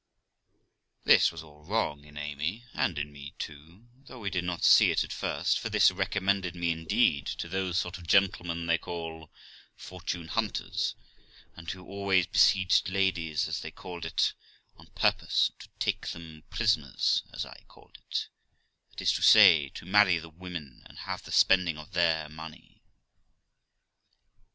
This was all wrong in Amy, and in me too, though we did not see it at first, for this recommended me indeed to those sort of gentlemen they call fortune hunters, and who always besieged ladies, as they called it on purpose to take them prisoners, as I called it ; that is to say, to marry the women, and have the spending of their money.